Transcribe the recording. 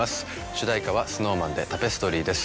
主題歌はＳｎｏｗＭａｎで『タペストリー』です。